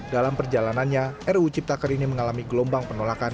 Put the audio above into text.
dalam perjalanannya ruu cipta kerja ini mengalami gelombang penolakan